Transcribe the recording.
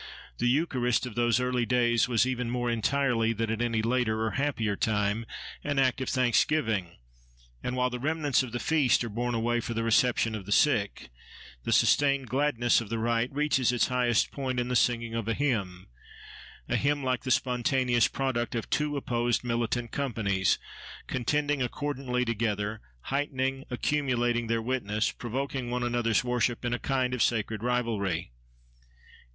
The Eucharist of those early days was, even more entirely than at any later or happier time, an act of thanksgiving; and while the remnants of the feast are borne away for the reception of the sick, the sustained gladness of the rite reaches its highest point in the singing of a hymn: a hymn like the spontaneous product of two opposed militant companies, contending accordantly together, heightening, accumulating, their witness, provoking one another's worship, in a kind of sacred rivalry.